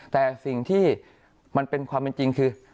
แต่สิ่งที่มันเป็นความเป็นจริงคือ